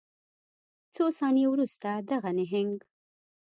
څو ثانیې وروسته دغه نهنګ